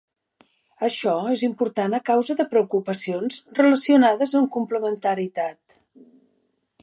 Això és important a causa de preocupacions relacionades amb complementarietat.